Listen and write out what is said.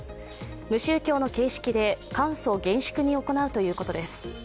無宗教の形式で簡素・厳粛に行うということです。